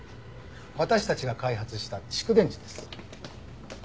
私たちが開発した蓄電池です。